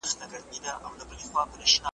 نه هګۍ پرېږدي نه چرګه په کوڅه کي ,